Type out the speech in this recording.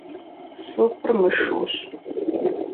Супыр мышущ.